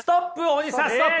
大西さんストップ！